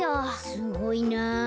すごいな。